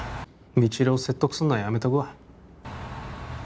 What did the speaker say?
未知留を説得するのはやめとくわ